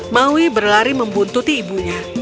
maui berlari membuntuti ibunya